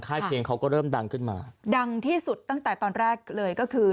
เพลงเขาก็เริ่มดังขึ้นมาดังที่สุดตั้งแต่ตอนแรกเลยก็คือ